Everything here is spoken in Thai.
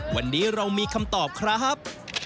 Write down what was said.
วันนี้เรามีคำตอบครับ